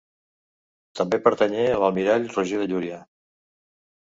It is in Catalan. També pertanyé a l'almirall Roger de Llúria.